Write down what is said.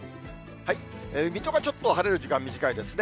水戸がちょっと晴れる時間短いですね。